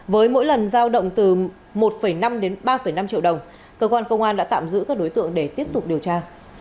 với mỗi lần giao động từ một năm đến ba năm triệu đồng cơ quan công an đã tạm giữ các đối tượng để tiếp tục điều tra